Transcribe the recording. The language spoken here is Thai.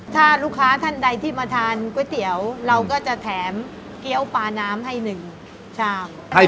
ถ้าลูกค้าท่านใดที่มาทานก๋วยเตี๋ยวเราก็จะแถมเกี้ยวปลาน้ำให้๑ชาม